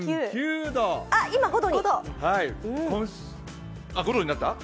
５度になった。